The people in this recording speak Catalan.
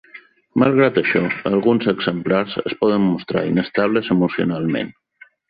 Malgrat això, alguns exemplars es poden mostrar inestables emocionalment.